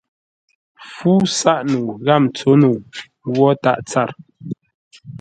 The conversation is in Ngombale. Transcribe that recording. Fú sáʼ-nəu gháp ntsǒ-nəu ngwó tâʼ tsâr.